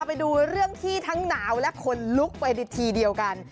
ไปดูเรื่องที่ทั้งหนาวและคนลุกไปในทีเดียวกัน